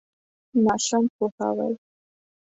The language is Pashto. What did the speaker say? ناسم پوهاوی.